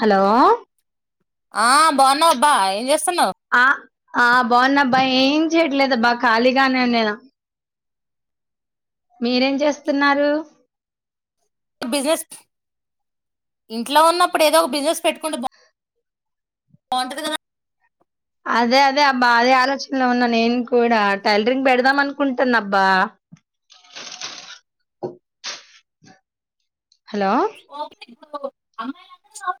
Hello ఆ బావనబ్బా ఏజెస్ ఆ ఆ బావనబ్బా ఏం జేయట్లే అబ్బా ఖాళీగానే ఉనేదా మీరేం జేస్తున్నారు. బిజినెస్ ఇంట్లో ఉన్నప్పుడు ఏదో ఒక బిజినెస్ పెట్టుకుంటే బో బావుటది గదా అదే అదే అబ్బా అదే ఆలోచనలో ఉన్నా నేన్ కూడా టైలరింగ్ పెడదాం అనుకుంటాన్నా అబ్బా హలో ఓకే నువ్వు అమ్మాయిలందర్ ఓ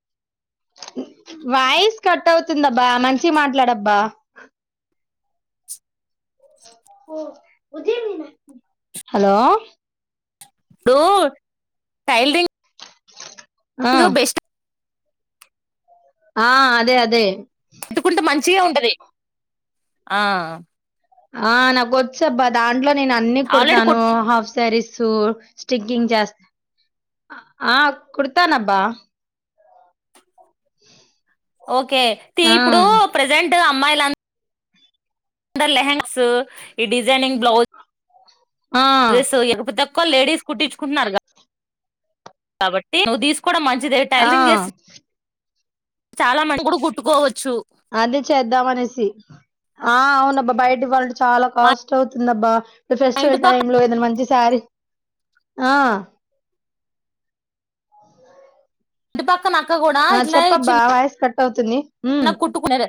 వాయిస్ కట్ అవుతుందబ్బా మంచిగ్ మాట్లాడబ్బా హలో డు టైల్ దిన్ ఆ ఆ అదే అదే పెట్టుకుంటే మంచియే ఉంటది. ఆఆ ఆ నాగ్ వొచబ్బా దాంట్లో నేన్ అన్ని ఆల్రెడీ కుడతాను కుట్ హాఫ్ సారీస్ సో స్టికింగ్ జేస్తా ఆ కుడతానబ్బా ఓకే తీ ఆ ఇప్పుడు ప్రజెంటు అమ్మాయిలన్ ద లెహంగసు ఈ డిజైనింగ్ బ్లౌస్ ఆ యేసు లేకపోతేప్ కో లేడీస్ కూటించుకున్నారుగా కాబట్టి నువ్వు దీసుకోవడం మంచిదే ఆ టైల్రింగ్ జేసి చాలా మడు గూడ్ గుట్టుగోవోత్ అదే చేద్దాం అనేసి ఆ అవునబ్బా బయటికి ఓలంటే చాలా మా కాస్ట్ అవుతుందబ్బా ఏ ఇంటి ఫెస్టివల్ పక్క టైమ్ లో ఏదైనా మంచి శారీ ఆ ఇంటి పక్కన అక్క ఆ చెప్పబ్బా వాయిస్ కట్ అవుతుంది. నా ఉమ్ కుట్టుకునేదే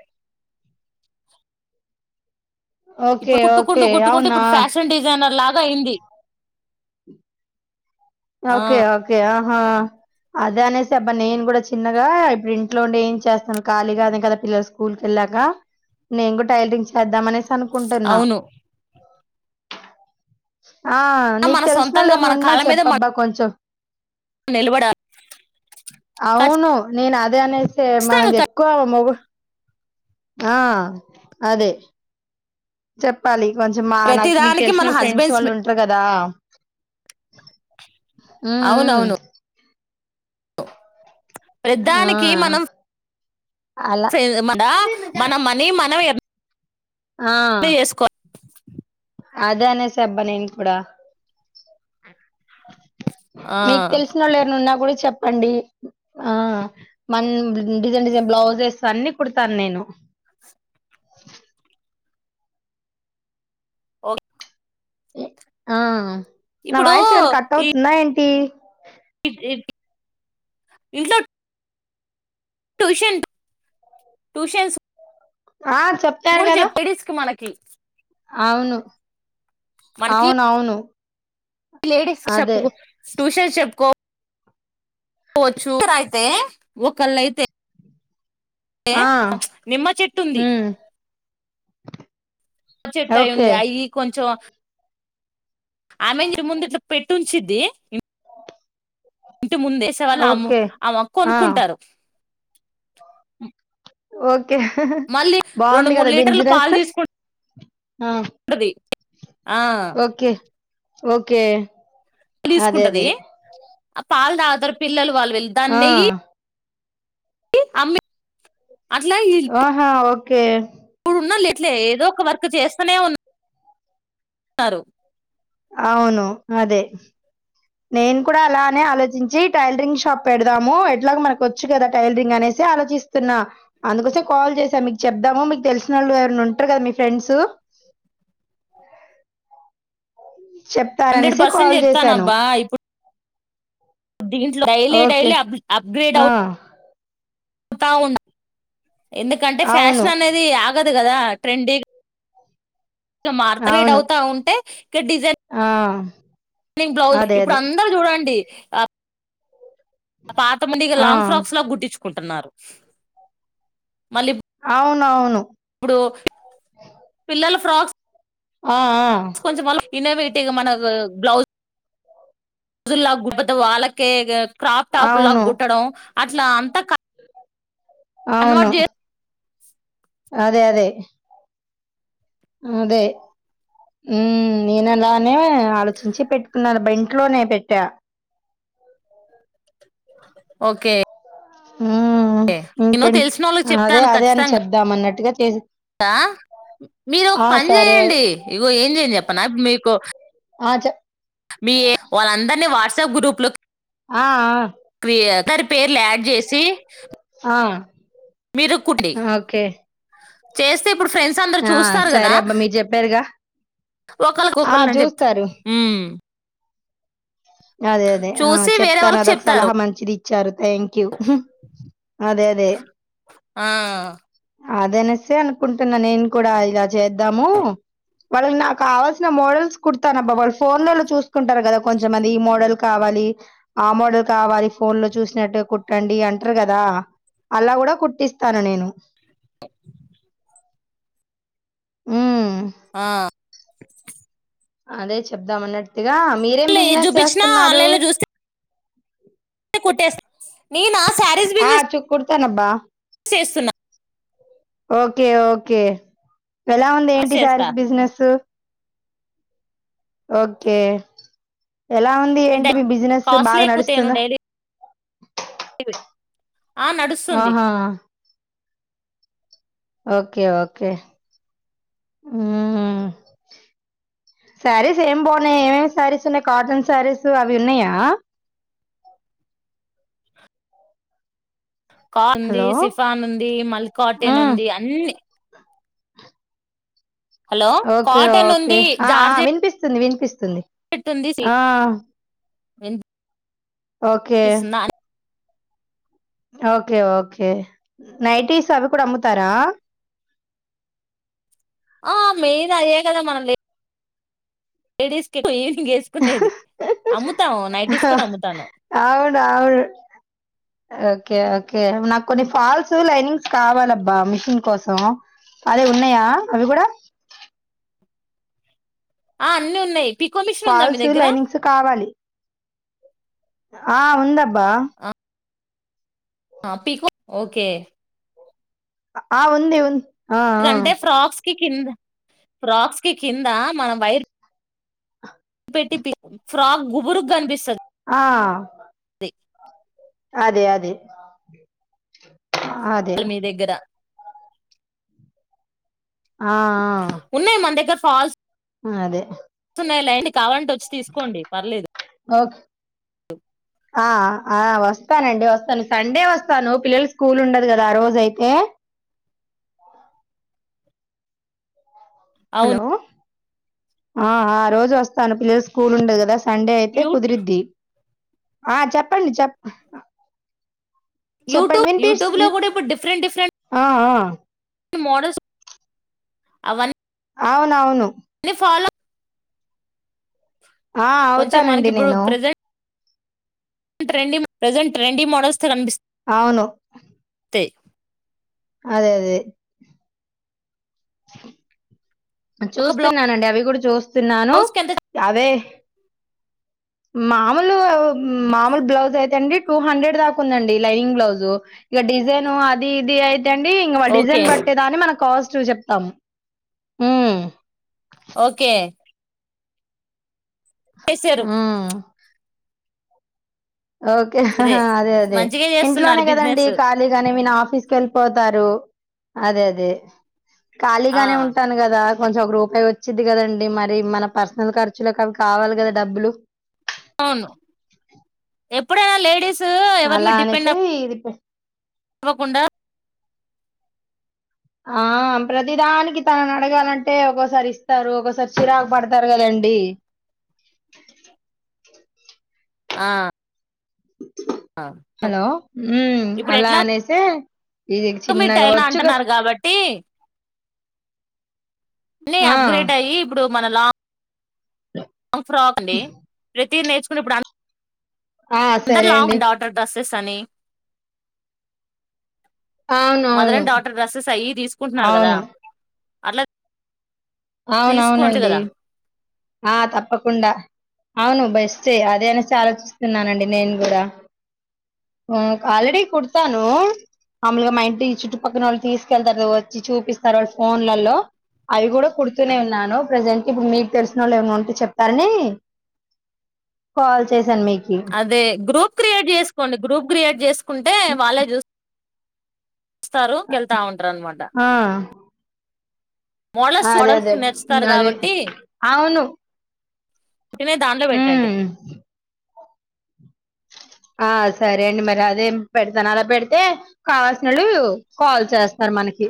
ఓకే ఇప్పు కుట్టుకుంటూ, ఓకే కుట్టుకుంటూ అవునా ఇప్పుడు ఫ్యాషన్ డిజైనర్ లాగా అయింది. ఆ ఓకే ఓకే ఆహా అదే అనేసి అబ్బా నేన్ గూడా చిన్నగా ఇప్పుడు ఇంట్లో ఉండే ఏం చేస్తను ఖాళీగానే కదా పిల్లలు స్కూల్ కేళ్ లాగా నీన్ గూడ్ టైల్రింగ్ చేద్దాంమనే తనుకుంటున్నా అవును ఆఆ నీక్ మన తెల్సునోల్ సొంతంగా ఏమ్నున్నా చెప్పబ్బా కొంచెం నిల్వడాల్ అవును నేను అదే అనేసే మనది ఖచ్చితంగా ఎక్కువ మోగో నా ఆ అదే చెప్పాలి కొంచెం మా ప్రతి నాక్ మీక్ దానికి తెలిసిన మన ఫ్రెండ్స్ హస్బెండ్స్ వాళ్ళు ఉంట్ర గదా. ఊహుహ్ అవునవును ఆ ప్రతిదానికి మనం అలా ఫే మానా మన మనీ మనమే ఎర్న్ ఆ చేసుకోవాలి అదే అనేసా అబ్బా నేన్ కూడా ఆ మీకు తెలిసినోళ్లు ఎవరనా ఉన్న కూడా చెప్పండి ఆ మన్ డిజైన్ డిజైన్ బ్లౌజెస్ అన్ని కుడతాను నేను [unintelligible] [inaudible] ఒక్ ఆ నా వాయిస్ ఏమైనా కట్ ఈ అవుతుందా ఏంటి [unintelligible] ఇంట్లో ట్యూషన్ ట్యూషన్స్ ఆ చెప్తారు కూడా కదా చెప్ లేడీస్ కి మనకి అవును మనకి అవునవును లేడీస్ చెప్పు ట్యూషన్ చెప్పుకో కోవచ్చు ఒకరైతే ఒకళ్ళ అయితే తే ఆ నిమ్మ చెట్టుంది. ఉమ్ చెట్టు అయి ఓకే ఉంది అయి కొంచెం ఆమె ఇంటి ముందు ఇట్లా పెట్టుంచిద్ది. ఇంటి ముందు ఏసే వాళ్ళు ఆమ్ ఓకే ఆమొక్క ఆ కొనుకుంటారు. ఓకే మళ్ళీ రెండు బాగుంది మూడు కాదా లీటర్లు బిజీనెస్. పాలు తీసుకుంటది ఆ ఓకే ఓకే అదే తీసుకుంటది అదే ఆ పాలుదాతారు పిల్లలు వాళ్ళు వెళ్ళ దాన్ని ఆ నెయ్యి అమ్మె ఆహా ఓకే ఉన్నానిట్లే ఏదో ఒక వర్క్ చేస్తానే ఉన్నారు. అవును అదే నేను కూడా అలానే ఆలోచించి టైలరింగ్ షాప్ పెడదాము ఎట్లాగు మనకు వచ్చు కదా టైలరింగ్ అని చే ఆలోచిస్తున్నా అందుకోసమె కాల్ చేసా మీకు చెప్దాము మీకు తెలిసిన వాళ్ళు ఎవరని ఉంటారు కదా మీ ఫ్రెండ్స్ [inaudible] హండ్రెడ్ చెప్తారానేసే పర్సెంట్ కాల్ చేసాను. చెప్తానబ్బా ఇప్పుడు దీంట్లో డైలీ డైలీ అబ్ అబగ్ర్డ్ ఆ అవు త ఉన్ ఎందుకంటే అవును ఫ్యాషన్ అనేది ఆగదు కదా ట్రెండీ మార్త అబిగ్రిడ్ అవును అవుతా ఉంటే ఇక్క డిజైన్ ఆ నింగ్ బ్లౌజ్ అదే ఇప్పుడు అదే అందరు చూడండి ఆ పాతముండిగ ఆ లాంగ్ ఫ్రాక్స్ లా గుట్టించుకుంటున్నారు. అవునవును ఇప్పుడు పిల్లల ఫ్రాక్స్ ఆ ఆ కొంచెం అలా మనకు బ్లౌజ్జులా కుడ్ పెద్ద వాళ్ళకే క్రాఫ్ టాప్ లా అవును గుట్టడం అట్లా అంత అవును అదే అదే అదే ఉ నేను అలానే ఆలోచించి పెట్టుకున్నాను బెంట్లోనే పెట్టా [inaudible] ఓకే ఉ నేను ఇంకేంట్ తెలిసిన వాళ్ళకి అదే అదే అని చెబుదాం అన్నట్టుగా చేస్ ఆ మీరు ఒక పని సరే. చేయండి ఇగో ఏం చేయను చెప్పనా మీకు ఆ చె మీ వాళ్ళందరినీ వాట్సాప్ గ్రూప్లోకి ఆ ఆ క్రీయ దరి పేర్లు యాడ్ చేసి ఆ మీరుక్కుండి ఓకే. చేస్తే ఇప్పుడు ఫ్రెండ్స్ అందరు ఆ చూస్తారు కదా సరే అబ్బా మీరు చెప్పారుగా. ఒకళ్కి ఆ ఒకళ్ అని చెప్త చూస్తారు. హ్మ్ అదే అదే ఆ చూసి వేరే చెప్తాను వాళ్ళకి అదొక చెప్తారు సలహా మంచిది ఇచ్చారు థ్యాంక్ యూ అదేే ఆ అది అనేసే అనుకుంటున్నా నేను కూడా ఇలా చేద్దాము వాళ్ళ నాకు కావాల్సిన మోడల్స్ కుడతాను అబ్బా వాళ్ళు ఫోన్ లల్లో చూసుకుంటారు కదా కొంచెమన్ ఈ మోడల్ కావాలి ఆ మోడల్ కావాలి ఫోన్ లో చూసినట్టుగ కుట్టండి అంటరు కదా అలా కూడా కుట్టిస్తాను నేను [inaudible] హ్మ్ ఆ అదే చెప్దాం అన్నట్టుగా మీరేం ఏది బిజినెస్ చూపించినా చేస్తున్నారు ఆన్లైన్ కుట్టేస్ నేనా సారీస్ బిజినెస్ త్తానబ్బా చేస్తున్నా ఓకే ఓకే ఎలా ఉంది ఏంటి చేస్తా సారీస్ బిజినెస్ ఓకే ఎలా ఉంది ఏంటి మీ బిజినెస్ కాస్ట్లీ బాగా ఎక్కుతేను నడుస్తుందా డైలీ ఆ నడుస్తుంది ఆహా! ఓకే ఓకే హ్మ సారీస్ ఏం బాగున్నాయ్ ఏమేమి సారీస్ ఉన్నాయి కాటన్ సారీస్ అవి ఉన్నయా [inaudible] కా ఉంది హలో! సిఫాన్ ఉంది మల్ కాటెన్ హ్మ్. ఉంది అన్ హలో ఓకే కాటన్ ఓకే ఉంది ఆ ఆ జార్జెట్ వినిపిస్తుంది విన్ తుంది ఉంది ఆ ఓకే వినిపిస్తుందా ఓకే ఓకే నైటీస్ అవి కూడా అమ్ముతారా ఆ మెయిన్ అయ్యే కదా మనం లే లేడీస్ కి యేసుకునేది అమ్ముతాము నైటీస్ కూడా అమ్ముతాను అవును. అవును. ఓకే ఓకే నాకు కొన్ని ఫాల్స్ లైనింగ్స్ కావాలబ్బా మిషిన్ కోసం అదే ఉన్నాయా అవి కూడా ఆ అన్ని ఉన్నాయి పికో మిషన్ ఉందా మీ ఫాల్సు దగ్గర లైనింగ్స్ కావాలి ఆ ఉందబ్బ ఆ పీకో ఓకే ఆ ఉంది ఉన్ ఎందుకంటే ఫ్రాక్స్ కి కింద్ ఫ్రాక్స్ కి కింద మనం వైర్ పెట్టి పీ ఫ్రాక్ గుబురు కనిపిస్తది ఆ అదే అదే అదే అల్ మీ దగ్గర ఆఆ ఉన్నాయి మన అదే న్నాయ్ లేండి కావాలంటే వచ్చి తీసుకోండి పర్లేదు ఓక్ ఆ ఆ వస్త్ వస్తానండి వస్తాను సండే వస్తాను పిల్లలకి స్కూల్ ఉండదు కదా ఆ రోజ అయితే హలో అవును ఆ ఆ రోజు వస్తాను పిల్లల స్కూల్ ఉండది కదా సండే అయితే యూ కుదిరిద్ది ఆ చెప్పండి చెప్ చెప్పండి యూట్యూబ్ విన్పి యూట్యూబ్ లో ఇప్ కూడా ఇప్పుడు డిఫరెంట్ డిఫరెంట్ ఆ... మోడల్స్ అవన్ని అవునవును నీ ఫాలో ఆ కొంచెం అవుతానండి నేను ట్రెన్డి ప్రెంజెట్ ట్రెన్డి మోడల్స్ తో కనిపిస్ అవును తె అదే అదే ఒక చూస్తున్నానండి అవి కూడా చూస్తున్నాను బ్లౌజ్ కి ఎంత అవే మాములు మామూలు బ్లౌజ్ అయితే అండి టూ హండ్రెడ్ దాకా ఉందండి లైనింగ్ బ్లౌజు ఇగ డిజైన్ అది ఇది అయితె అండి ఇంగ వాళ్ ఓకే డిజైన్ బట్టి దాని మన కాస్ చుస్ చెప్తాం ఓకే చేశారు హ్మ్ ఓకే అదే అదే మంచిగా ఇంట్లోనే చేస్తున్నారు కదండి బిజినెస్ ఖాళీగానే ఇయన ఆఫీస్కి వెళ్ళిపోతారు అదే అదే ఆ ఖాళీగానే ఉంటాను కదా కొంచెం ఒక రూపాయి వచ్చిద్ది కదండి మరి మన పర్సనల్ ఖర్చులకి అవి కావాలి కద డబ్బులు అవును ఎప్పుడైనా లేడీస్ అలా అనేసే ఇది అవ్వకుండ ఆ ప్రతిదానికి తనని అడగాలంటే ఒక్కోసారి ఇస్తారు ఒక్కోసారి చిరాకు పడతారు కదం డి ఆ అవును హలో మ్ అలా అనేసే ఇది చిన్నగా మీటైనా వచ్చు కదా అంటున్నారు కాబట్టి ళ్ళీ ఆ అప్గ్రేడ్ అయ్యి ఇప్పుడు మన లా గ్ ఫ్రాక్ అండి ప్రతిది నేర్చుకునే అప్పుడు అం ఆ దర్ సరే లాంగ్ అండి అండ్ ఆడర్ డ్రస్సెస్ అని మదర్ అవునవును అండ్ డాక్టర్ డ్రెస్సెస్ అయ్యి తీసుకుంటున్నారు కదా అవును అట్ల అవునవునండి ఆ తప్పకుండా అవును బెస్టే అదే అనేసి ఆలోచిస్తున్నానండి నేను కూడా ఆల్రెడీ కుడతాను మామూలుగా మా ఇంటి చుట్టుపక్కన వాళ్ళు తీసుకెళ్తారు వచ్చి చూపిస్తారు వాళ్ళు ఫోన్లలో అవి కూడా కుడుతూనే ఉన్నాను ప్రజెంట్ ఇప్పుడు మీ తెలిసిన వాళ్ళు ఎవరన్న ఉంటే చెప్తారని కాల్ చేస్ అదే గ్రూప్ క్రియేట్ చేసుకోండి గ్రూప్ క్రియేట్ చేసుకుంటే వాళ్ళే చూస్ చూస్తారు కెళ్తా ఉంటారు అన్నమాట ఆ అదే అదే నేర్చుతారు ఇన్దదే కాబట్టి అవును నే దాంట్లో పెట్టండి హ్మ్ ఆ సరే అండి మరి అదేం పెడతాను అలా పెడితే కావాల్సినోళ్లు కాల్ చేస్తారు మనకి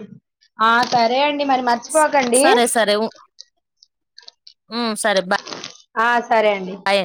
ఆ సరే అండి మరి మర్చిపోకండి సరే సరే ఉ ఉమ్, సరే ఆ సరే అండి బాయ్